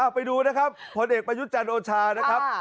อ่าไปดูนะครับผลเอกประยุจจันทร์โอชานะครับอ่า